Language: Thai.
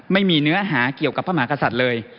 ไม่มีเนื้อหาเกี่ยวกับพระมหากษัตริย์เลย